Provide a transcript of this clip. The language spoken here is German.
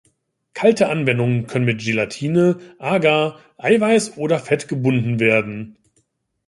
Kalte Anwendungen können mit Gelatine, Agar, Eiweiß oder Fett gebunden werden.